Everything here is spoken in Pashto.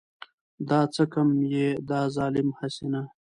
دا څه که يې دا ظالم هسې نه .